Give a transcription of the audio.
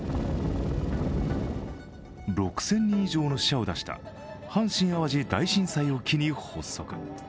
６０００人以上の死者を出した阪神・淡路大震災を機に発足。